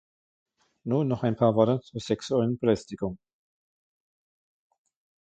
Nun noch ein paar Worte zur sexuellen Belästigung.